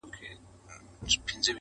د مېړه زوى ږغ په اوڼي کي لا معلومېږى.